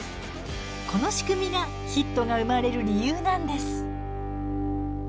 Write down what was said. この仕組みがヒットが生まれる理由なんです。